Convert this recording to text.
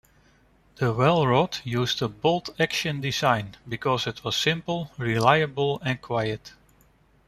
The Welrod used a bolt-action design because it was simple, reliable and quiet.